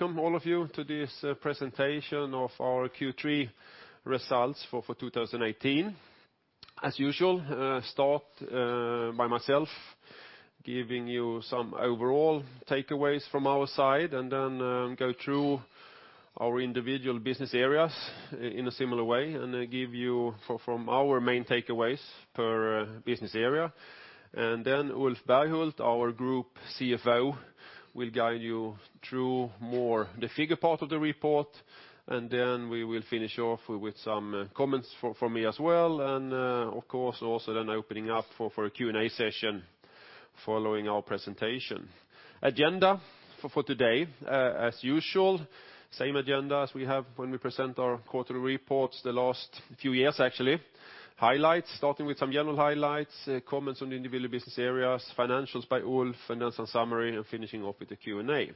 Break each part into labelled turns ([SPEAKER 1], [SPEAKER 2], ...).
[SPEAKER 1] Welcome all of you to this presentation of our Q3 results for 2018. As usual, I will start by myself giving you some overall takeaways from our side then go through our individual business areas in a similar way, then give you our main takeaways per business area. Then Ulf Berghult, our group CFO, will guide you through more the figure part of the report, then we will finish off with some comments from me as well. Of course, also opening up for a Q&A session following our presentation. Agenda for today. As usual, same agenda as we have when we present our quarterly reports the last few years, actually. Highlights, starting with some general highlights, comments on individual business areas, financials by Ulf, financial summary, and finishing off with the Q&A.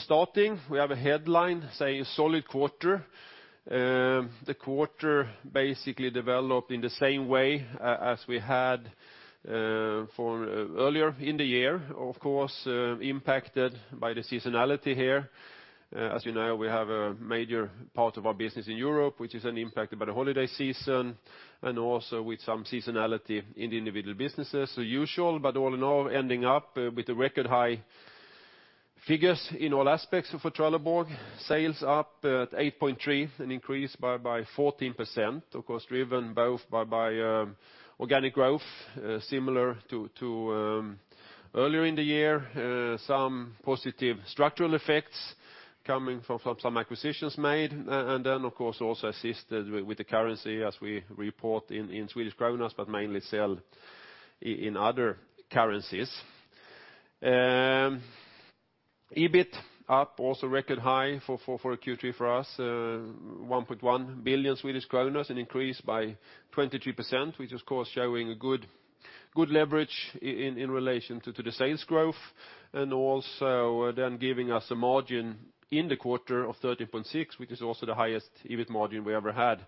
[SPEAKER 1] Starting, we have a headline saying solid quarter. The quarter basically developed in the same way as we had earlier in the year. Of course, impacted by the seasonality here. As you know, we have a major part of our business in Europe, which is then impacted by the holiday season and also with some seasonality in the individual businesses. Usual, but all in all, ending up with the record high figures in all aspects of Trelleborg. Sales up at 8.3, an increase by 14%. Of course, driven both by organic growth, similar to earlier in the year. Some positive structural effects coming from some acquisitions made, then, of course, also assisted with the currency as we report in SEK, but mainly sell in other currencies. EBIT up, also record high for Q3 for us. 1.1 billion, an increase by 23%, which is, of course, showing a good leverage in relation to the sales growth. Also giving us a margin in the quarter of 13.6%, which is also the highest EBIT margin we ever had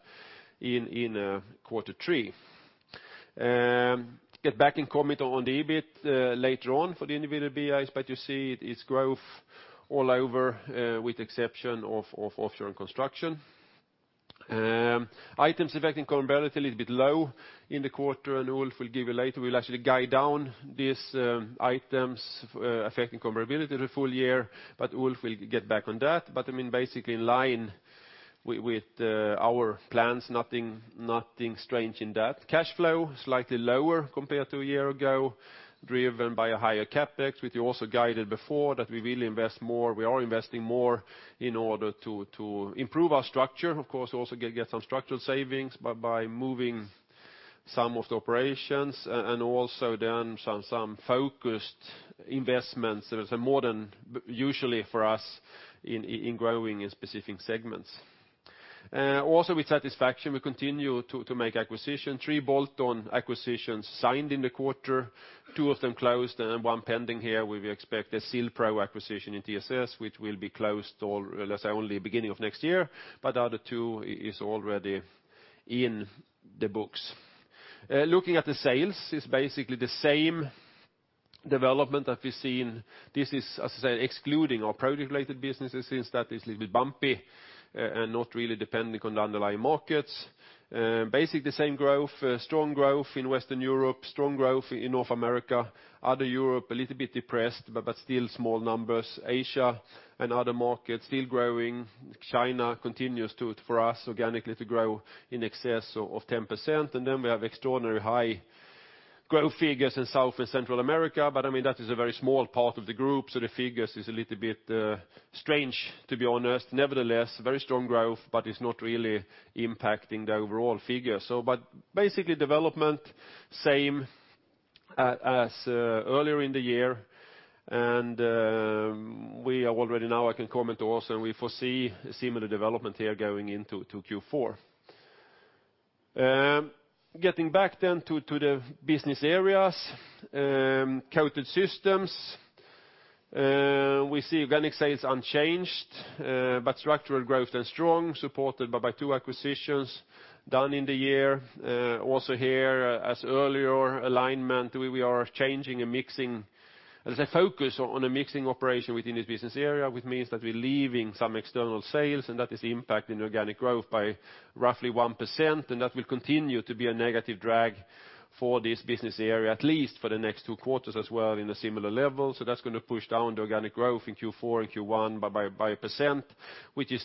[SPEAKER 1] in Q3. Get back and comment on the EBIT later on for the individual BIs, but you see it's growth all over with exception of Trelleborg Offshore & Construction. Items affecting comparability a little bit low in the quarter, Ulf will give you later. We'll actually guide down these items affecting comparability the full year, Ulf will get back on that. Basically in line with our plans, nothing strange in that. Cash flow, slightly lower compared to a year ago, driven by a higher CapEx, which you also guided before that we will invest more. We are investing more in order to improve our structure. Of course, also get some structural savings by moving some of the operations and also some focused investments. There is more than usually for us in growing in specific segments. Also with satisfaction, we continue to make acquisitions. Three bolt-on acquisitions signed in the quarter, two of them closed and one pending here where we expect the Sil-Pro acquisition in TSS, which will be closed, let's say, only beginning of next year. The other two are already in the books. Looking at the sales is basically the same development that we've seen. This is, as I said, excluding our product related businesses since that is a little bit bumpy and not really dependent on the underlying markets. Basically the same growth, strong growth in Western Europe, strong growth in North America. Other Europe, a little bit depressed, but still small numbers. Asia and other markets still growing. China continues to, for us, organically to grow in excess of 10%. We have extraordinary high growth figures in South and Central America. That is a very small part of the group, so the figures is a little bit strange, to be honest. Nevertheless, very strong growth, but it is not really impacting the overall figure. Basically, development same as earlier in the year, and we are already now I can comment also. We foresee a similar development here going into Q4. Getting back to the business areas. Coated Systems. We see organic sales unchanged, but structural growth is strong, supported by two acquisitions done in the year. Also here as earlier alignment, we are changing and mixing as a focus on a mixing operation within this business area, which means that we are leaving some external sales, and that is impacting organic growth by roughly 1%. That will continue to be a negative drag for this business area, at least for the next two quarters as well in a similar level. That is going to push down the organic growth in Q4 and Q1 by 1%, which is,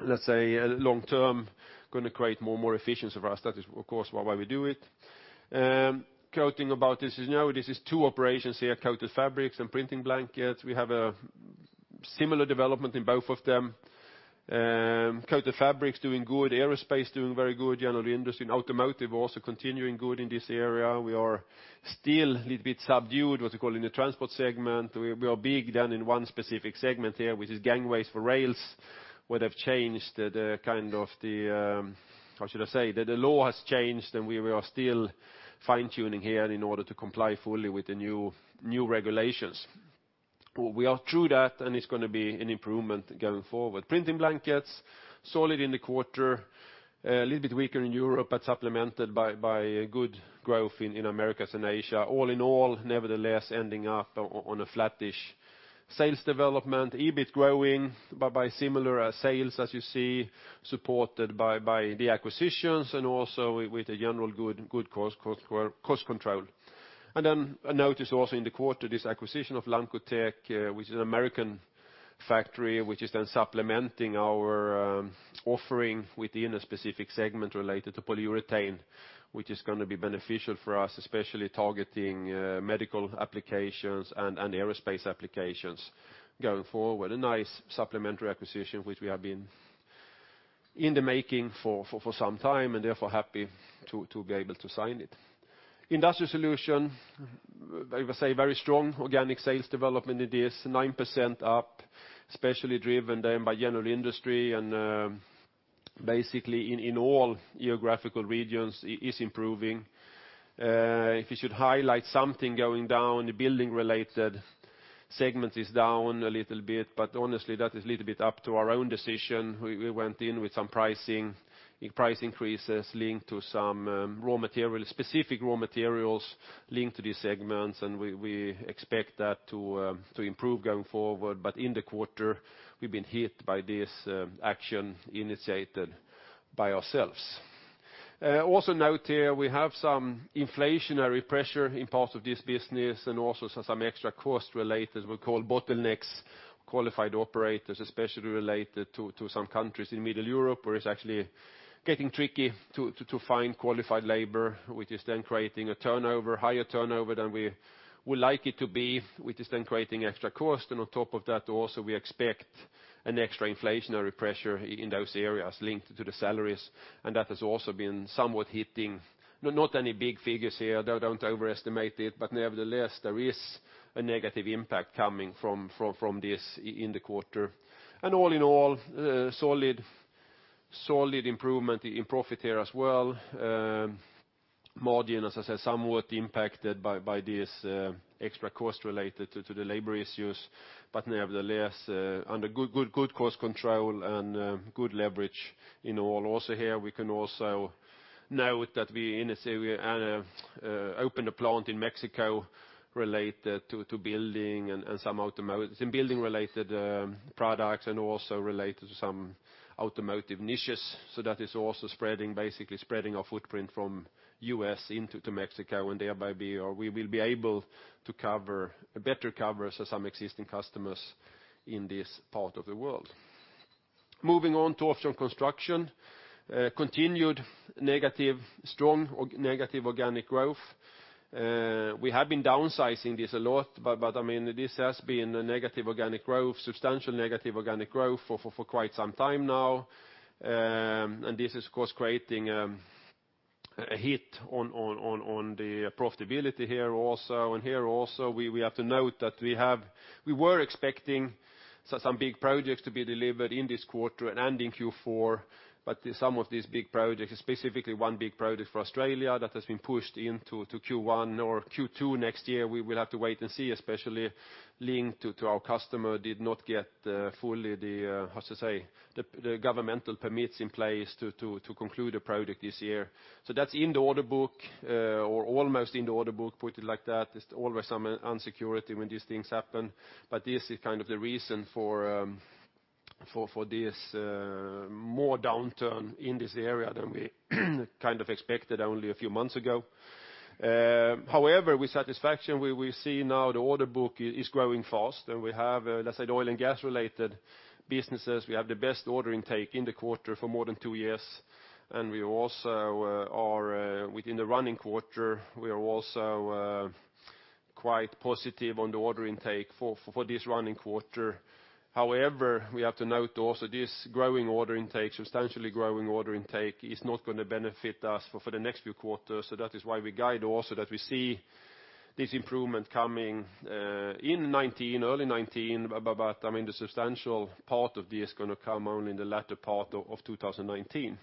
[SPEAKER 1] let's say, long term going to create more efficiency for us. That is, of course, why we do it. Coating about this is now two operations here: Coated fabrics and Printing blankets. We have a similar development in both of them. Coated fabrics doing good, aerospace doing very good. General industry and automotive also continuing good in this area. We are still a little bit subdued, what you call in the transport segment. We are big in one specific segment here, which is gangways for rails, where they have changed the, how should I say? The law has changed, and we are still fine-tuning here in order to comply fully with the new regulations. We are through that, and it is going to be an improvement going forward. Printing blankets solid in the quarter, a little bit weaker in Europe, but supplemented by good growth in Americas and Asia. All in all, nevertheless, ending up on a flattish sales development, EBIT growing, but by similar sales as you see, supported by the acquisitions and also with a general good cost control. A notice also in the quarter, this acquisition of Laminating Coating Technologies, Inc., which is an American factory, which is supplementing our offering within a specific segment related to polyurethane, which is going to be beneficial for us, especially targeting medical applications and aerospace applications going forward. A nice supplementary acquisition, which we have been in the making for some time and therefore happy to be able to sign it. Industrial Solutions, I would say, very strong organic sales development. It is 9% up, especially driven by general industry, and basically in all geographical regions is improving. If you should highlight something going down, the building-related segment is down a little bit, but honestly, that is a little bit up to our own decision. We went in with some price increases linked to some specific raw materials linked to these segments, and we expect that to improve going forward. In the quarter, we've been hit by this action initiated by ourselves. Note here, we have some inflationary pressure in parts of this business and some extra cost related, we call bottlenecks, qualified operators, especially related to some countries in Middle Europe, where it's actually getting tricky to find qualified labor, which is then creating a higher turnover than we would like it to be, which is then creating extra cost. On top of that, also, we expect an extra inflationary pressure in those areas linked to the salaries. That has also been somewhat hitting, not any big figures here, don't overestimate it. Nevertheless, there is a negative impact coming from this in the quarter. All in all, solid improvement in profit here as well. Margin, as I said, somewhat impacted by this extra cost related to the labor issues, nevertheless, under good cost control and good leverage in all. Here, we can also note that we opened a plant in Mexico related to building and some automotive, some building-related products and also related to some automotive niches. That is also basically spreading our footprint from U.S. into Mexico and thereby we will be able to better cover some existing customers in this part of the world. Moving on to Trelleborg Offshore & Construction. Continued strong negative organic growth. We have been downsizing this a lot, but this has been substantial negative organic growth for quite some time now. This is, of course, creating a hit on the profitability here also. Here also, we have to note that we were expecting some big projects to be delivered in this quarter and in Q4, some of these big projects, specifically one big project for Australia that has been pushed into Q1 or Q2 next year. We will have to wait and see, especially linked to our customer did not get fully the governmental permits in place to conclude a project this year. That's in the order book, or almost in the order book, put it like that. There's always some insecurity when these things happen. This is kind of the reason for this more downturn in this area than we kind of expected only a few months ago. However, with satisfaction, we see now the order book is growing fast and we have, let's say, oil and gas related businesses. We have the best order intake in the quarter for more than two years. Within the running quarter, we are also quite positive on the order intake for this running quarter. However, we have to note also this growing order intake, substantially growing order intake is not going to benefit us for the next few quarters. That is why we guide also that we see this improvement coming in early 2019. The substantial part of this is going to come only in the latter part of 2019.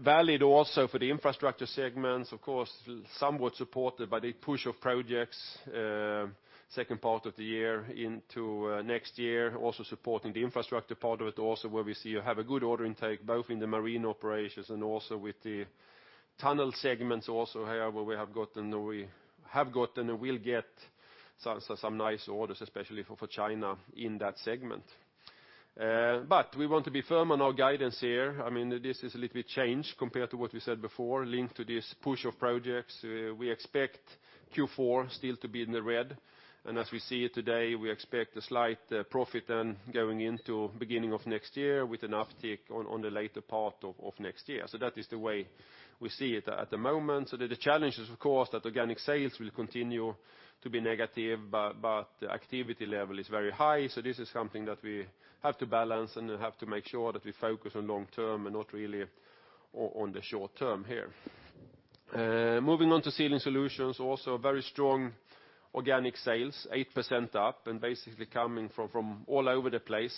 [SPEAKER 1] Valid also for the infrastructure segments, of course, somewhat supported by the push of projects second part of the year into next year. Supporting the infrastructure part of it also where we see you have a good order intake, both in the marine operations and also with the tunnel segments also here, where we have gotten and will get some nice orders, especially for China in that segment. We want to be firm on our guidance here. This is a little bit changed compared to what we said before, linked to this push of projects. We expect Q4 still to be in the red. As we see it today, we expect a slight profit then going into beginning of next year with an uptick on the later part of next year. That is the way we see it at the moment. The challenge is, of course, that organic sales will continue to be negative, but the activity level is very high. This is something that we have to balance and have to make sure that we focus on long term and not really on the short term here. Moving on to Sealing Solutions, also very strong organic sales, 8% up and basically coming from all over the place.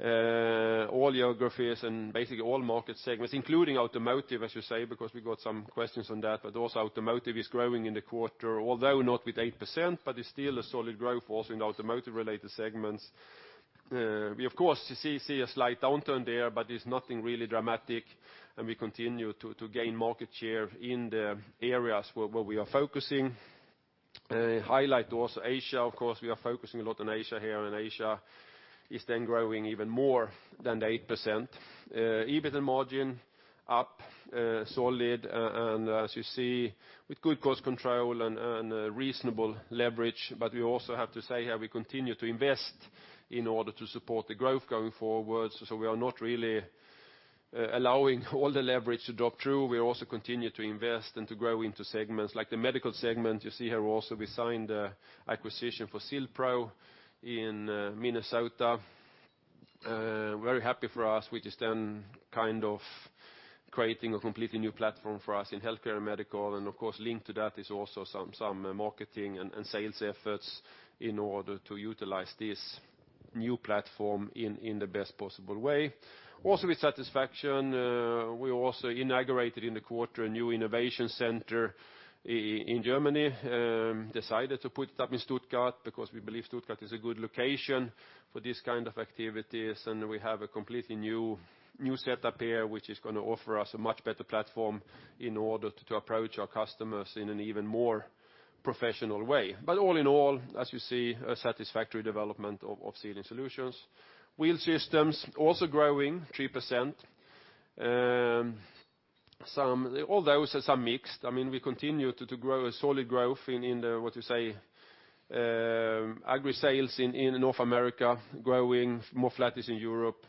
[SPEAKER 1] All geographies and basically all market segments, including automotive, I should say, because we got some questions on that. Also automotive is growing in the quarter, although not with 8%, but it is still a solid growth also in automotive related segments. We, of course, see a slight downturn there, but it is nothing really dramatic, and we continue to gain market share in the areas where we are focusing. Highlight also Asia, of course, we are focusing a lot on Asia here, and Asia is then growing even more than 8%. EBIT margin up solid, as you see with good cost control and reasonable leverage. We also have to say how we continue to invest in order to support the growth going forward. We are not really allowing all the leverage to drop through. We also continue to invest and to grow into segments like the medical segment. You see here also we signed acquisition for Sil-Pro in Minnesota. Very happy for us, which is then creating a completely new platform for us in healthcare and medical. Of course, linked to that is also some marketing and sales efforts in order to utilize this new platform in the best possible way. Also with satisfaction, we also inaugurated in the quarter a new innovation center in Germany. Decided to put it up in Stuttgart because we believe Stuttgart is a good location for this kind of activities, we have a completely new setup here, which is going to offer us a much better platform in order to approach our customers in an even more professional way. All in all, as you see, a satisfactory development of Sealing Solutions. Wheel Systems also growing 3%. All those are some mixed. We continue to grow a solid growth in the, what you say, agri sales in North America growing, more flattish in Europe,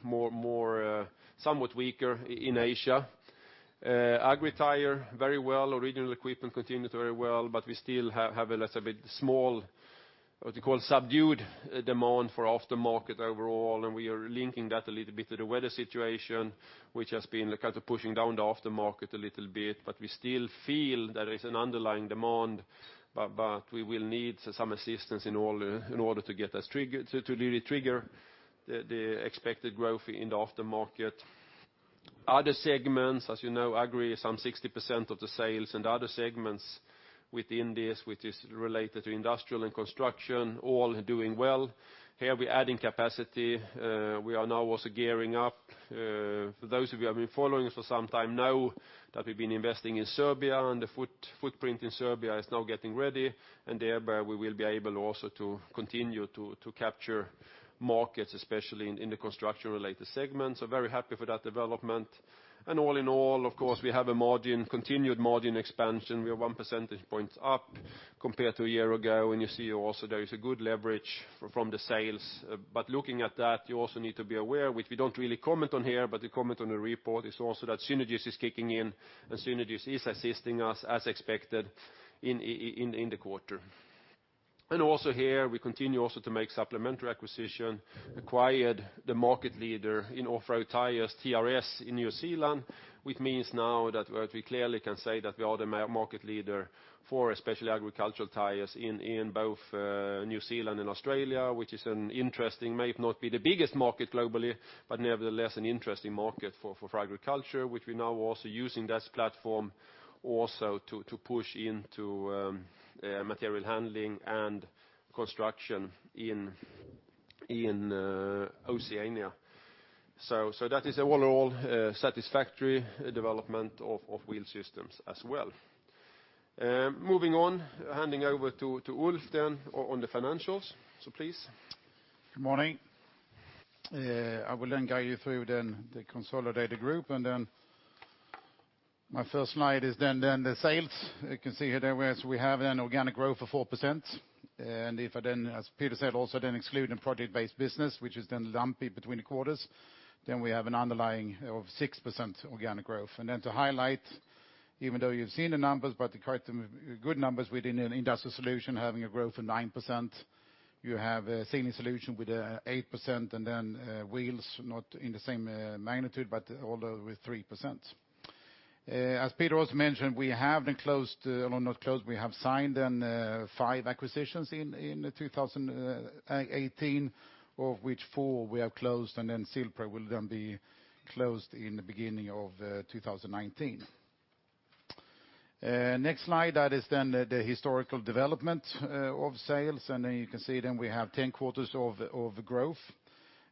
[SPEAKER 1] somewhat weaker in Asia. Agri tire very well. Original equipment continues very well, we still have a less, a bit small, what you call subdued demand for aftermarket overall, we are linking that a little bit to the weather situation, which has been kind of pushing down the aftermarket a little bit. We still feel there is an underlying demand, but we will need some assistance in order to really trigger the expected growth in the aftermarket. Other segments, as you know, agri is 60% of the sales and other segments within this, which is related to industrial and construction, all doing well. Here we're adding capacity. We are now also gearing up. Those of you who have been following us for some time know that we've been investing in Serbia and the footprint in Serbia is now getting ready, thereby we will be able also to continue to capture markets, especially in the construction related segments. Very happy for that development. All in all, of course, we have a continued margin expansion. We are one percentage point up compared to a year ago. You see also there is a good leverage from the sales. Looking at that, you also need to be aware, which we don't really comment on here, but the comment on the report is also that synergies is kicking in, and synergies is assisting us as expected in the quarter. Also here, we continue also to make supplementary acquisition, acquired the market leader in off-road tires, TRS in New Zealand, which means now that we clearly can say that we are the market leader for especially agricultural tires in both New Zealand and Australia, which is an interesting, may not be the biggest market globally, but nevertheless an interesting market for agriculture, which we're now also using that platform also to push into material handling and construction in Oceania. That is all in all a satisfactory development of Wheel Systems as well. Moving on, handing over to Ulf then on the financials. Please.
[SPEAKER 2] Good morning. I will then guide you through then the consolidated group, and then my first slide is then the sales. You can see here that we have an organic growth of 4%. If I then, as Peter said, also then exclude the project-based business, which is then lumpy between the quarters, then we have an underlying of 6% organic growth. To highlight, even though you've seen the numbers, but the good numbers within Industrial Solutions having a growth of 9%. You have Sealing Solutions with 8% and then Wheels not in the same magnitude, but although with 3%. As Peter also mentioned, we have signed five acquisitions in 2018, of which four we have closed, and then Sil-Pro will then be closed in the beginning of 2019. Next slide, that is then the historical development of sales, and then you can see then we have 10 quarters of growth,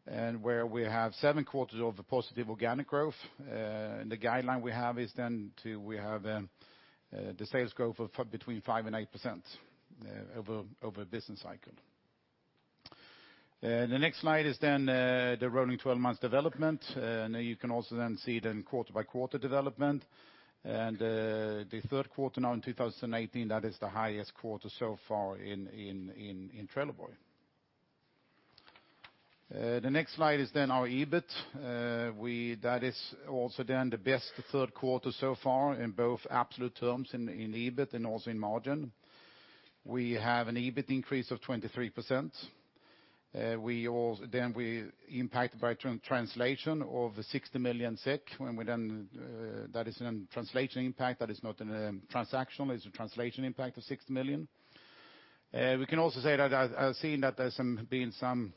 [SPEAKER 2] and where we have seven quarters of positive organic growth. The guideline we have is then to, we have the sales growth of between 5% and 8% over a business cycle. The next slide is then the rolling 12 months development. You can also then see then quarter by quarter development. The third quarter now in 2018, that is the highest quarter so far in Trelleborg. The next slide is then our EBIT. That is also then the best third quarter so far in both absolute terms in EBIT and also in margin. We have an EBIT increase of 23%. We impact by translation of 60 million, that is a translation impact, that is not a transaction, it's a translation impact of 60 million. We can also say that I've seen that there's been some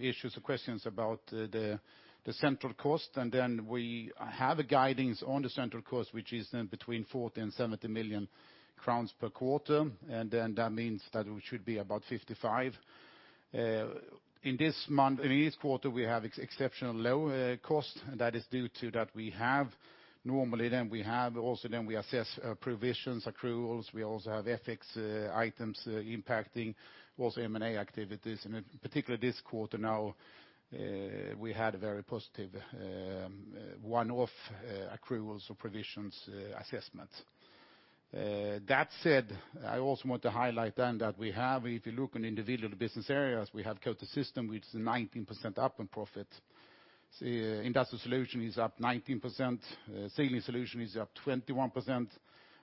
[SPEAKER 2] issues or questions about the central cost. We have a guidance on the central cost, which is between 40 million and 70 million crowns per quarter. That means that we should be about 55 million. In this quarter, we have exceptional low cost, and that is due to that we have normally, we have also we assess, provisions, accruals. We also have FX items impacting also M&A activities. In particular this quarter now we had a very positive one-off accruals or provisions assessments. That said, I also want to highlight that we have, if you look on individual business areas, we have Coated Systems, which is 19% up in profit. Industrial Solutions is up 19%, Trelleborg Sealing Solutions is up 21%,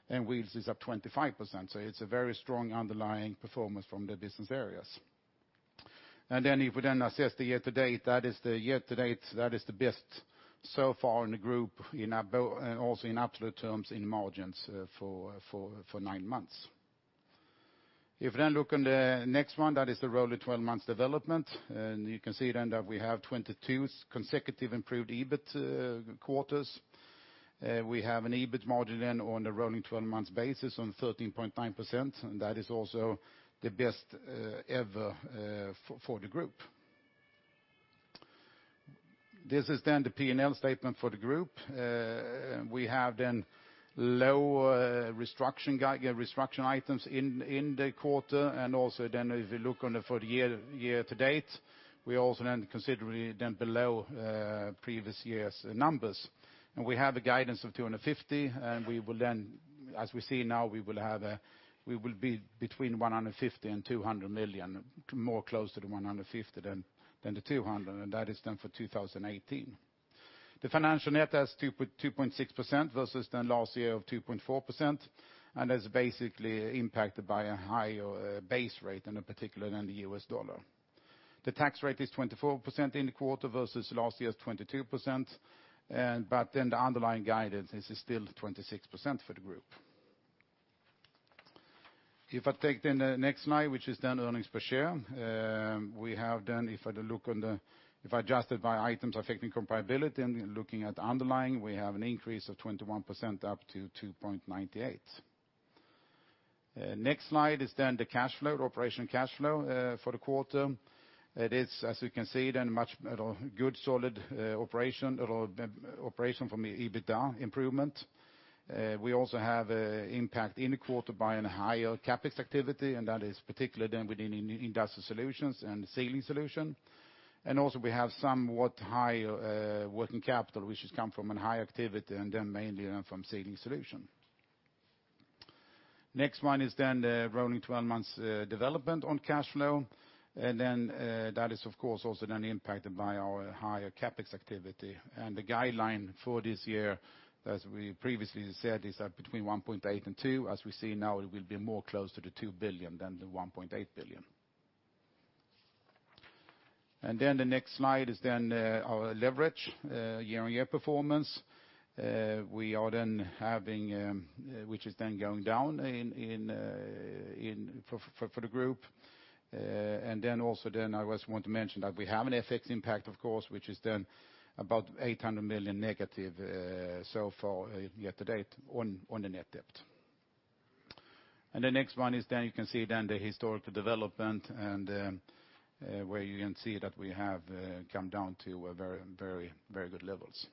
[SPEAKER 2] and Wheels is up 25%. It's a very strong underlying performance from the business areas. If we then assess the year-to-date, that is the best so far in the group also in absolute terms in margins, for nine months. If we look on the next one, that is the rolling 12 months development. You can see that we have 22 consecutive improved EBIT quarters. We have an EBIT margin on the rolling 12 months basis on 13.9%, and that is also the best ever for the group. This is the P&L statement for the group. We have low restructuring items in the quarter and also if you look on the for the year-to-date, we also considerably below previous year's numbers. We have a guidance of 250 million. We will, as we see now, be between 150 million and 200 million, more closer to 150 million than 200 million, that is for 2018. The financial net is 2.6% versus the last year of 2.4%, is basically impacted by a higher base rate and in particular the US dollar. The tax rate is 24% in the quarter versus last year's 22%. The underlying guidance is still 26% for the group. If I take the next slide, which is earnings per share, we have if I adjusted by items affecting comparability and looking at underlying, we have an increase of 21% up to 2.98. Next slide is the cash flow, operational cash flow for the quarter. It is, as you can see, much good solid operation from the EBITDA improvement. We also have impact in the quarter by a higher CapEx activity, that is particularly within Industrial Solutions and Trelleborg Sealing Solutions. We also have somewhat higher working capital, which has come from a high activity and mainly from Trelleborg Sealing Solutions. Next one is the rolling 12 months development on cash flow, that is of course also impacted by our higher CapEx activity. The guideline for this year, as we previously said, is that between 1.8 billion and 2 billion. As we see now, it will be more close to 2 billion than 1.8 billion. The next slide is our leverage year-on-year performance, which is going down for the group. Also, I also want to mention that we have an FX impact of course, which is about 800 million negative so far year-to-date on the net debt. The next one is you can see the historical development and where you can see that we have come down to very good levels.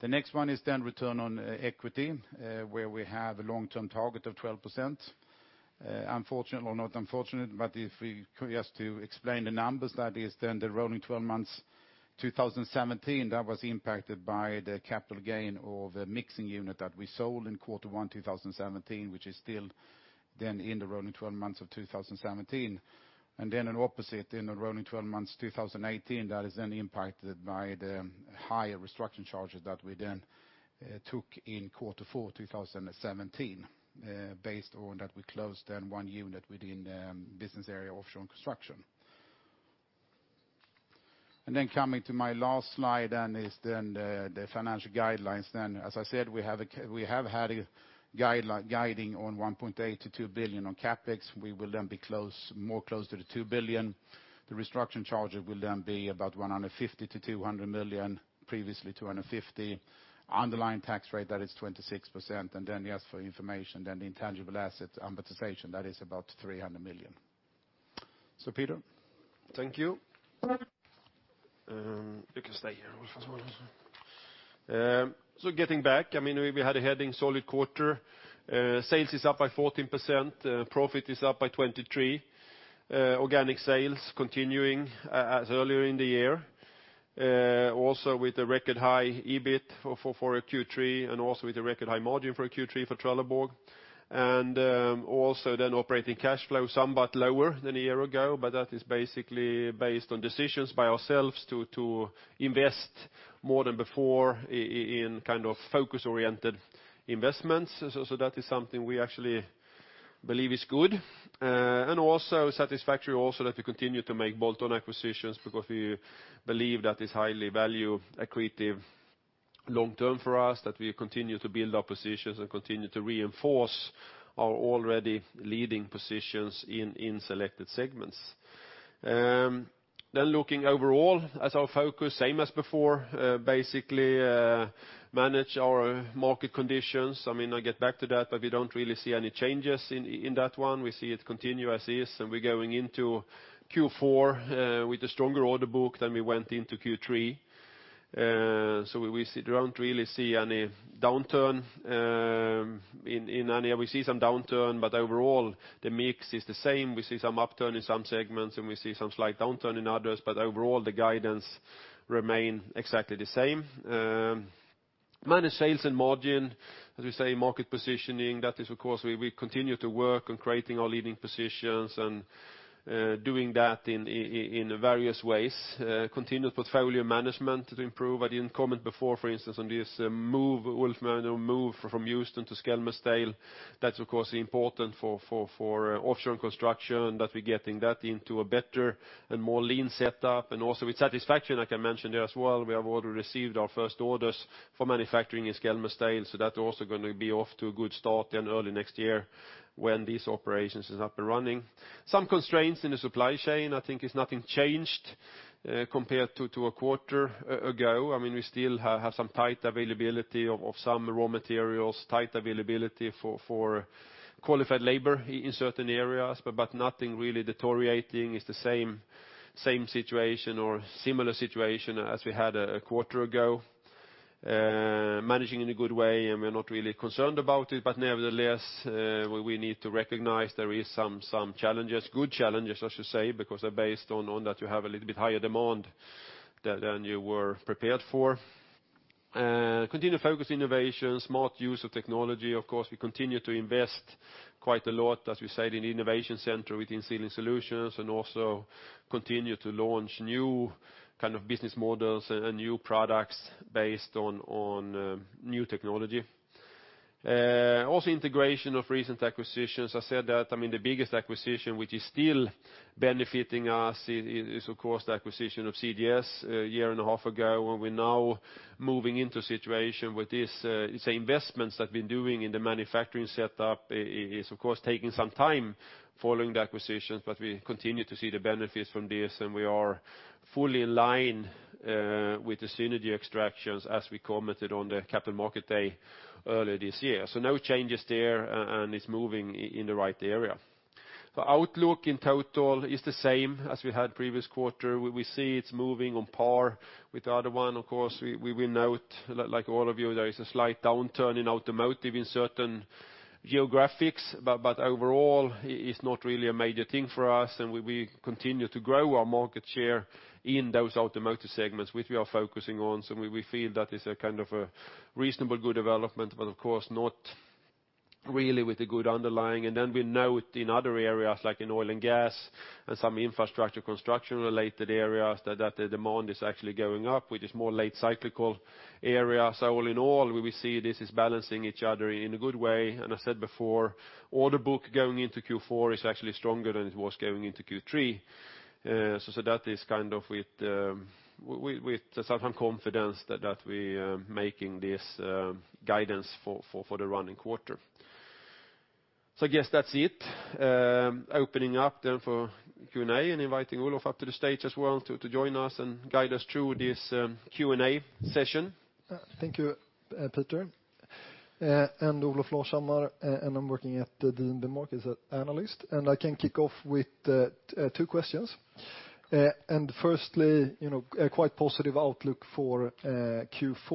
[SPEAKER 2] The next one is return on equity, where we have a long-term target of 12%. Unfortunate or not unfortunate, if we just to explain the numbers, that is the rolling 12 months 2017, that was impacted by the capital gain of a mixing unit that we sold in quarter one 2017, which is still in the rolling 12 months of 2017. An opposite in the rolling 12 months 2018, that is impacted by the higher restructuring charges that we took in quarter four 2017, based on that we closed one unit within business area Offshore & Construction. Coming to my last slide is the financial guidelines. As I said, we have had a guiding on 1.8 billion-2 billion on CapEx. We will be more close to the 2 billion. The restructuring charges will be about 150 million-200 million, previously 250 million. Underlying tax rate, that is 26%. Just for your information, the intangible asset amortization, that is about 300 million. Peter?
[SPEAKER 1] Thank you.
[SPEAKER 2] You can stay here.
[SPEAKER 1] Getting back, we had a heading solid quarter. Sales is up by 14%, profit is up by 23%. Organic sales continuing as earlier in the year. Also with a record high EBIT for a Q3 and also with a record high margin for a Q3 for Trelleborg. Operating cash flow somewhat lower than a year ago, but that is basically based on decisions by ourselves to invest more than before in focus-oriented investments. That is something we actually believe is good. Satisfactory also that we continue to make bolt-on acquisitions because we believe that is highly value accretive long-term for us, that we continue to build our positions and continue to reinforce our already leading positions in selected segments. Looking overall as our focus, same as before, basically manage our market conditions. I'll get back to that, we don't really see any changes in that one. We see it continue as is, we're going into Q4 with a stronger order book than we went into Q3. We don't really see any downturn in any. We see some downturn, but overall, the mix is the same. We see some upturn in some segments, and we see some slight downturn in others, but overall, the guidance remain exactly the same. Manage sales and margin. As we say, market positioning. That is, of course, we continue to work on creating our leading positions and doing that in various ways. Continued portfolio management to improve. I didn't comment before, for instance, on this Ulf's move from Houston to Skelmersdale. That's, of course, important for Trelleborg Offshore & Construction, that we're getting that into a better and more lean setup. With satisfaction, I can mention there as well, we have already received our first orders for manufacturing in Skelmersdale, so that's also going to be off to a good start then early next year when this operation is up and running. Some constraints in the supply chain, I think nothing changed compared to a quarter ago. We still have some tight availability of some raw materials, tight availability for qualified labor in certain areas, but nothing really deteriorating. It's the same situation or similar situation as we had a quarter ago. Managing in a good way, we're not really concerned about it, but nevertheless, we need to recognize there is some challenges, good challenges, I should say, because they're based on that you have a little bit higher demand than you were prepared for. Continued focus innovation, smart use of technology. We continue to invest quite a lot, as we said, in innovation center within Trelleborg Sealing Solutions and also continue to launch new business models and new products based on new technology. Integration of recent acquisitions. I said that the biggest acquisition which is still benefiting us is, of course, the acquisition of CGS a year and a half ago, where we're now moving into a situation with this investments that we're doing in the manufacturing setup is, of course, taking some time following the acquisitions, but we continue to see the benefits from this, we are fully in line with the synergy extractions as we commented on the capital market day earlier this year. No changes there, it's moving in the right area. The outlook in total is the same as we had previous quarter. We see it's moving on par with the other one. Of course, we note, like all of you, there is a slight downturn in automotive in certain geographies, but overall, it's not really a major thing for us, and we continue to grow our market share in those automotive segments which we are focusing on. We feel that is a reasonable good development, but of course not really with a good underlying. Then we note in other areas like in oil and gas and some infrastructure construction related areas that the demand is actually going up, which is more late cyclical areas. All in all, we see this is balancing each other in a good way. I said before, order book going into Q4 is actually stronger than it was going into Q3. That is with some confidence that we are making this guidance for the running quarter. I guess that's it. Opening up then for Q&A and inviting Olof up to the stage as well to join us and guide us through this Q&A session.
[SPEAKER 3] Thank you, Peter. I'm Olof Larshammar, and I'm working at DNB Markets as an analyst. I can kick off with two questions. Firstly, a quite positive outlook for Q4,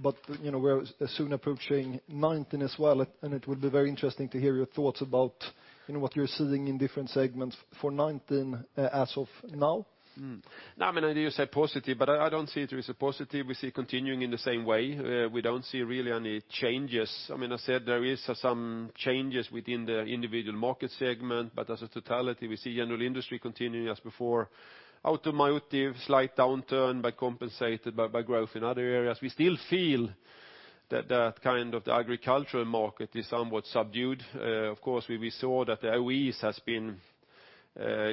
[SPEAKER 3] we're soon approaching 2019 as well, it would be very interesting to hear your thoughts about what you're seeing in different segments for 2019 as of now.
[SPEAKER 1] You said positive, I don't see it as a positive. We see it continuing in the same way. We don't see really any changes. I said there is some changes within the individual market segment, as a totality, we see general industry continuing as before. Automotive, slight downturn but compensated by growth in other areas. We still feel that the agricultural market is somewhat subdued. Of course, we saw that the OE has been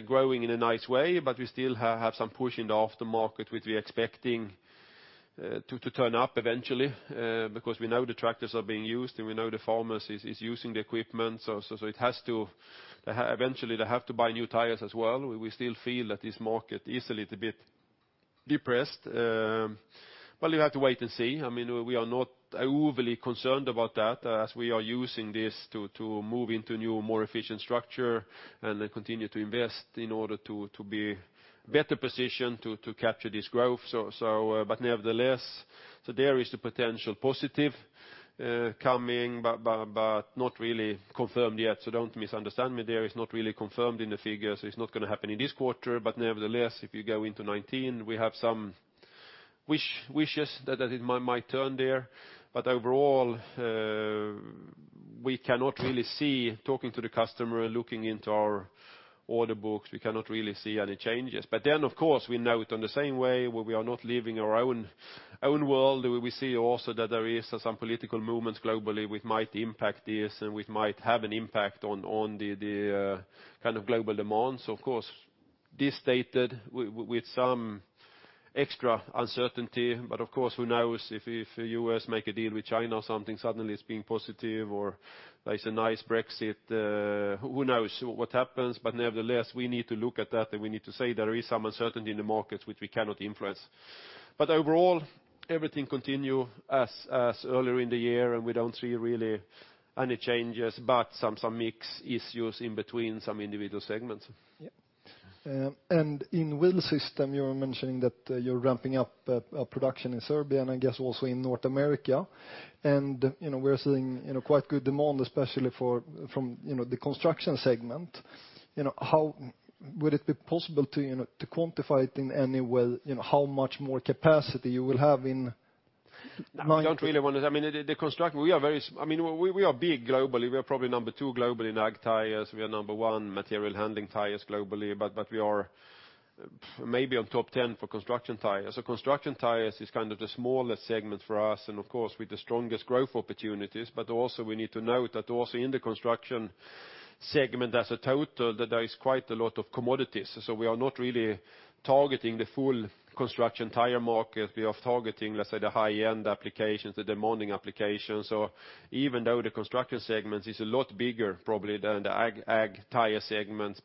[SPEAKER 1] growing in a nice way, we still have some push in the aftermarket, which we are expecting to turn up eventually, because we know the tractors are being used and we know the farmers is using the equipment. Eventually they have to buy new tires as well. We still feel that this market is a little bit depressed. You have to wait and see. We are not overly concerned about that as we are using this to move into new, more efficient structure and then continue to invest in order to be better positioned to capture this growth. Nevertheless, there is a potential positive coming, but not really confirmed yet. Don't misunderstand me there. It's not really confirmed in the figures. It's not going to happen in this quarter. Nevertheless, if you go into 2019, we have some wishes that it might turn there. Overall, we cannot really see, talking to the customer, looking into our order books, we cannot really see any changes. Then, of course, we note on the same way, we are not living our own world. We see also that there is some political movements globally which might impact this and which might have an impact on the global demands. Of course, this stated with some extra uncertainty, but of course, who knows if the U.S. make a deal with China or something, suddenly it's being positive or there's a nice Brexit. Who knows what happens? Nevertheless, we need to look at that, and we need to say there is some uncertainty in the markets which we cannot influence. Overall, everything continue as earlier in the year, and we don't see really any changes, but some mix issues in between some individual segments.
[SPEAKER 3] Yep. In Wheel System, you were mentioning that you're ramping up production in Serbia and I guess also in North America, and we're seeing quite good demand, especially from the construction segment. Would it be possible to quantify it in any way, how much more capacity you will have in mind?
[SPEAKER 1] I don't really want to. We are big globally. We are probably number two globally in ag tires. We are number one material handling tires globally, but we are maybe in top 10 for construction tires. Construction tires is the smallest segment for us, and of course, with the strongest growth opportunities. Also, we need to note that also in the construction segment as a total, that there is quite a lot of commodities. We are not really targeting the full construction tire market. We are targeting, let's say, the high-end applications, the demanding applications, or even though the construction segment is a lot bigger probably than the ag tire segment.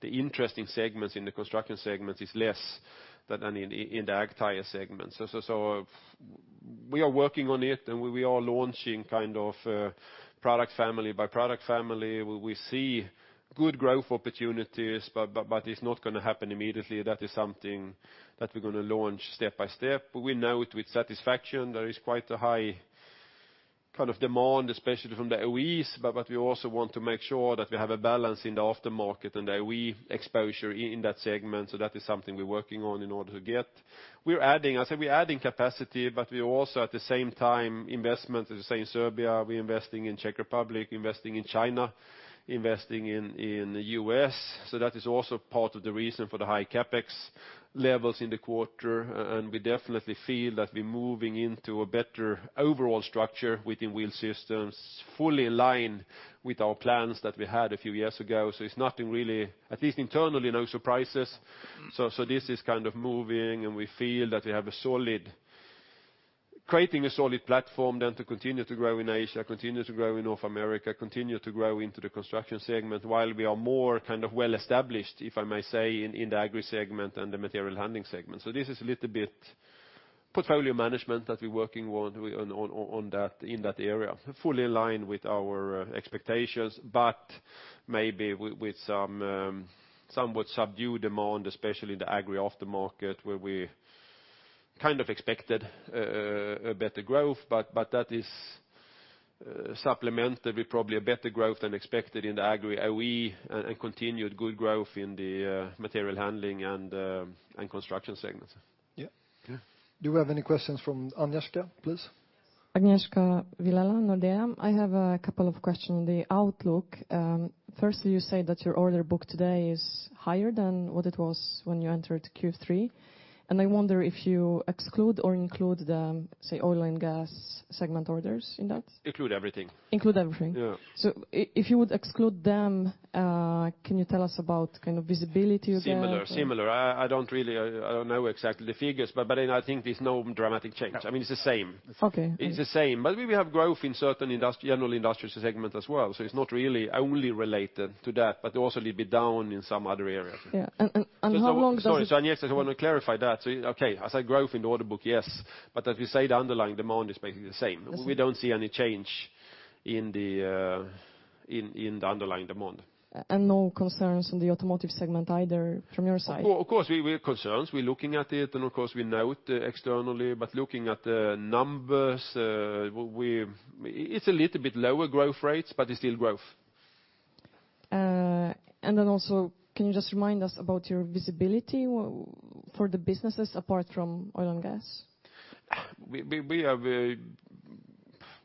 [SPEAKER 1] The interesting segments in the construction segment is less than in the ag tire segment. We are working on it. We are launching product family by product family, where we see good growth opportunities, but it's not going to happen immediately. That is something that we're going to launch step by step. We note with satisfaction there is quite a high demand, especially from the OEs. We also want to make sure that we have a balance in the aftermarket and the OE exposure in that segment. That is something we're working on in order to get. As I said, we're adding capacity, but we are also at the same time investing, as I say, in Serbia, we're investing in Czech Republic, investing in China, investing in the U.S. That is also part of the reason for the high CapEx levels in the quarter. We definitely feel that we're moving into a better overall structure within Wheel Systems, fully aligned with our plans that we had a few years ago. It's nothing really, at least internally, no surprises. This is moving. We feel that we're creating a solid platform then to continue to grow in Asia, continue to grow in North America, continue to grow into the construction segment while we are more well-established, if I may say, in the agri segment and the material handling segment. This is a little bit portfolio management that we're working on in that area. Fully aligned with our expectations, but maybe with somewhat subdued demand, especially in the agri aftermarket, where we expected a better growth. That is supplemented with probably a better growth than expected in the agri OE and continued good growth in the material handling and construction segments.
[SPEAKER 3] Yeah. Do we have any questions from Agnieszka? Please.
[SPEAKER 4] Agnieszka Vilela, Nordea. I have a couple of questions on the outlook. Firstly, you say that your order book today is higher than what it was when you entered Q3. I wonder if you exclude or include the, say, oil and gas segment orders in that?
[SPEAKER 1] Include everything.
[SPEAKER 4] Include everything?
[SPEAKER 1] Yeah.
[SPEAKER 4] If you would exclude them, can you tell us about visibility again?
[SPEAKER 1] Similar. I don't know exactly the figures, but then I think there's no dramatic change.
[SPEAKER 4] No.
[SPEAKER 1] It's the same.
[SPEAKER 4] Okay.
[SPEAKER 1] It's the same. We have growth in certain general industries segment as well. It's not really only related to that, but also a little bit down in some other areas.
[SPEAKER 4] Yeah. How long does
[SPEAKER 1] Sorry, Agnieszka, I want to clarify that. Okay, I said growth in the order book, yes. As we say, the underlying demand is basically the same.
[SPEAKER 4] Yes.
[SPEAKER 1] We don't see any change in the underlying demand.
[SPEAKER 4] No concerns on the automotive segment either from your side?
[SPEAKER 1] Of course, we have concerns. We're looking at it, of course, we note externally, looking at the numbers, it's a little bit lower growth rates, it's still growth.
[SPEAKER 4] Also, can you just remind us about your visibility for the businesses apart from oil and gas?
[SPEAKER 1] We have a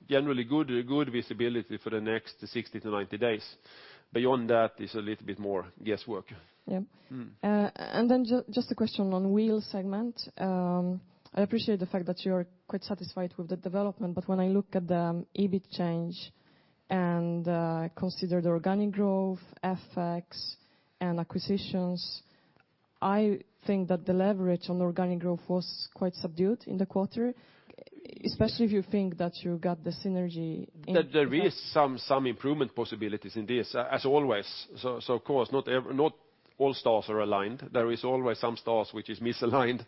[SPEAKER 1] generally good visibility for the next 60 to 90 days. Beyond that, it's a little bit more guesswork.
[SPEAKER 4] Just a question on Wheel Segment. I appreciate the fact that you're quite satisfied with the development, but when I look at the EBIT change and consider the organic growth effects and acquisitions, I think that the leverage on organic growth was quite subdued in the quarter, especially if you think that you got the synergy.
[SPEAKER 1] There is some improvement possibilities in this, as always. Of course, not all stars are aligned. There is always some stars which is misaligned.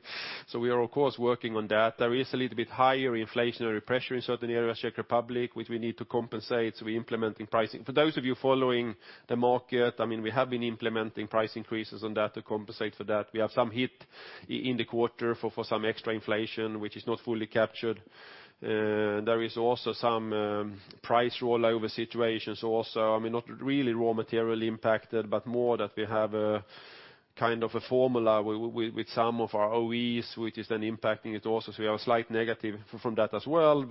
[SPEAKER 1] We are of course working on that. There is a little bit higher inflationary pressure in certain areas, Czech Republic, which we need to compensate, so we're implementing pricing. For those of you following the market, we have been implementing price increases on that to compensate for that. We have some hit in the quarter for some extra inflation, which is not fully captured. There is also some price rollover situations also. Not really raw material impacted, but more that we have a formula with some of our OEs, which is then impacting it also. We have a slight negative from that as well.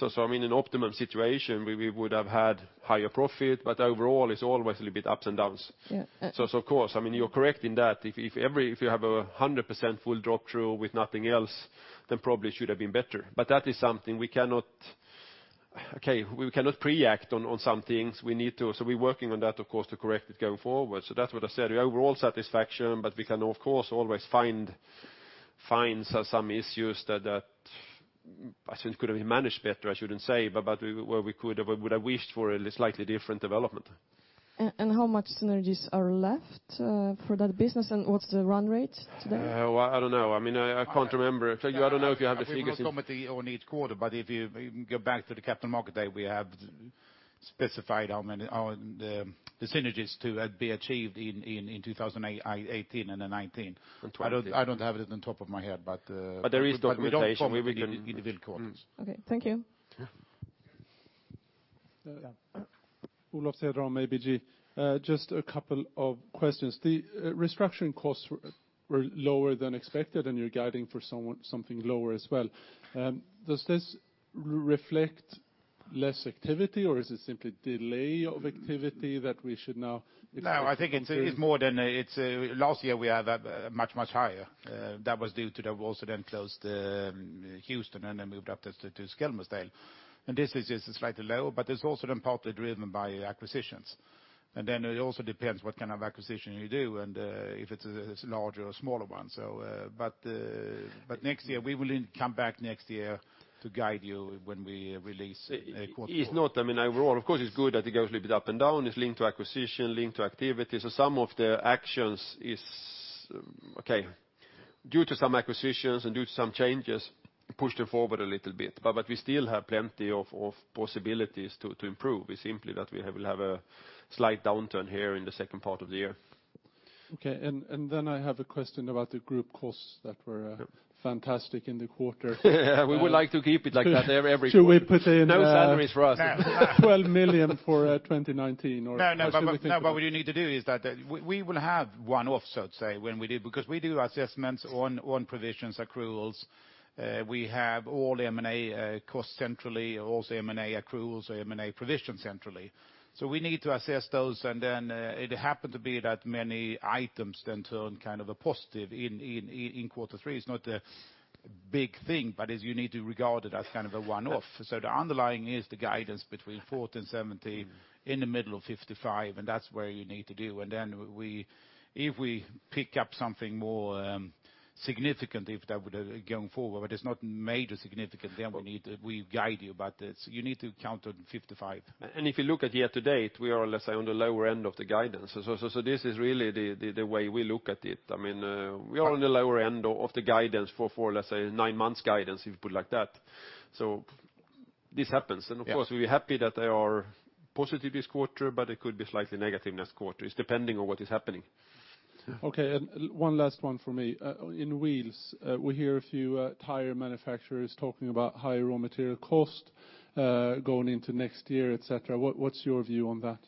[SPEAKER 1] In an optimum situation, we would have had higher profit, but overall, it's always a little bit ups and downs.
[SPEAKER 4] Yeah.
[SPEAKER 1] Of course, you're correct in that. If you have 100% full drop-through with nothing else, then probably should have been better. That is something we cannot pre-act on some things. We're working on that, of course, to correct it going forward. That's what I said, the overall satisfaction, but we can, of course, always find some issues that could have been managed better, I shouldn't say, but we would have wished for a slightly different development.
[SPEAKER 5] How much synergies are left for that business, and what's the run rate today?
[SPEAKER 1] Well, I don't know. I can't remember. I don't know if you have the figures.
[SPEAKER 2] We will not comment on each quarter, if you go back to the capital market day, we have specified the synergies to be achieved in 2018 and 2019.
[SPEAKER 1] 2020.
[SPEAKER 2] I don't have it on top of my head.
[SPEAKER 1] There is documentation.
[SPEAKER 2] We don't comment in individual quarters.
[SPEAKER 5] Okay. Thank you.
[SPEAKER 1] Yeah.
[SPEAKER 6] Olof Cederholm, ABG. Just a couple of questions. The restructuring costs were lower than expected, and you're guiding for something lower as well. Does this reflect less activity, or is it simply delay of activity that we should?
[SPEAKER 2] No, I think it's more. Last year we had much, much higher. That was due to we also then closed Houston and then moved up to Skelmersdale. This is just slightly lower, but it's also then partly driven by acquisitions. Then it also depends what kind of acquisition you do and if it's a larger or smaller one. Next year, we will come back next year to guide you when we release a quarter.
[SPEAKER 1] It's not, I mean, overall, of course, it's good that it goes a little bit up and down. It's linked to acquisition, linked to activities. Some of the actions is due to some acquisitions and due to some changes, pushed it forward a little bit. We still have plenty of possibilities to improve. It's simply that we will have a slight downturn here in the second part of the year.
[SPEAKER 6] Okay. I have a question about the group costs that were fantastic in the quarter.
[SPEAKER 1] We would like to keep it like that every quarter.
[SPEAKER 2] Should we put in.
[SPEAKER 1] No salaries for us.
[SPEAKER 6] 12 million for 2019, or how should we think about that?
[SPEAKER 2] No, what we need to do is that we will have one-off, so to say, when we do, because we do assessments on provisions, accruals. We have all M&A costs centrally, also M&A accruals or M&A provisions centrally. We need to assess those, then it happened to be that many items then turned kind of a positive in quarter three. It's not a big thing, but you need to regard it as kind of a one-off. The underlying is the guidance between 40 million and 70 million in the middle of 55 million, and that's where you need to do. If we pick up something more significant going forward, but it's not major significant, we guide you, but you need to count on 55 million.
[SPEAKER 1] If you look at year to date, we are, let's say, on the lower end of the guidance. This is really the way we look at it. We are on the lower end of the guidance for, let's say, nine months guidance, if you put it like that. This happens.
[SPEAKER 2] Yeah.
[SPEAKER 1] Of course, we are happy that they are positive this quarter, but it could be slightly negative next quarter. It's depending on what is happening.
[SPEAKER 6] Okay, one last one from me. In Wheels, we hear a few tire manufacturers talking about higher raw material cost going into next year, et cetera. What's your view on that?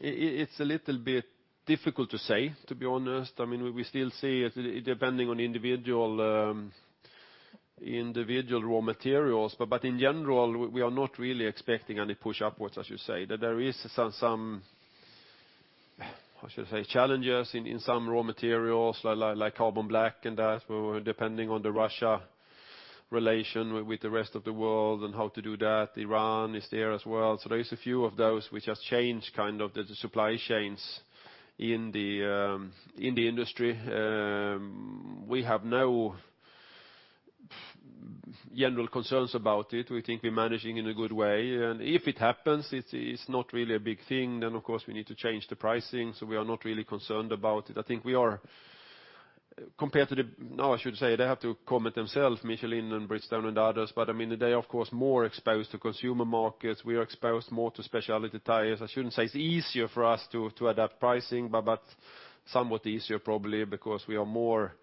[SPEAKER 1] It's a little bit difficult to say, to be honest. We still see, depending on individual raw materials. In general, we are not really expecting any push upwards, I should say. There is some, how should I say, challenges in some raw materials, like carbon black and that, depending on the Russia relation with the rest of the world and how to do that. Iran is there as well. There is a few of those which has changed kind of the supply chains in the industry. We have no general concerns about it. We think we're managing in a good way. If it happens, it's not really a big thing, then of course we need to change the pricing, we are not really concerned about it. I think we are compared to Now, I should say, they have to comment themselves, Michelin and Bridgestone and others, they are, of course, more exposed to consumer markets. We are exposed more to specialty tires. I shouldn't say it's easier for us to adapt pricing, somewhat easier probably because we are more